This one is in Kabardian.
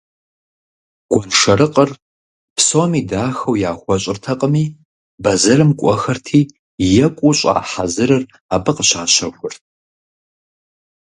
Гуэншэрыкъыр псоми дахэу яхуэщӀыртэкъыми, бэзэрым кӀуэхэрти, екӀуу щӀа хьэзырыр абы къыщащэхурт.